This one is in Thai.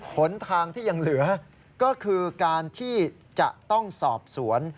หนทางที่ยังเหลือก็คือการที่จะต้องสอบสวน